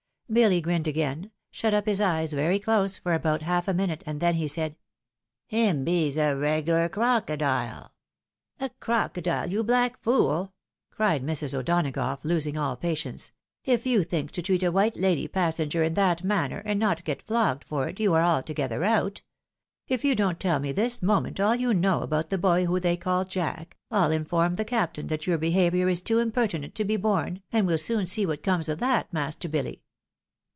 Billy grinned again, shut up his eyes very close for about half a minute, and then said, " Him bees a reg'lar crocodile." " A crocodile, you black fool I " cried Mra. O'Donagough, losing all patience, " if you tliink to treat a white lady pas senger in that manner, and not get flogged for it, you are altogether out. If you don't tell me this moment all you know about that boy who they call Jack, I'U inform the captain that your behaviour is too impertinent to be borne, and we'll soon see what comes of that, master BiUy."